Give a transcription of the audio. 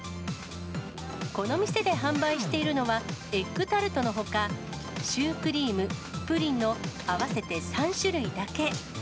この店で販売しているのは、エッグタルトのほか、シュークリーム、プリンの合わせて３種類だけ。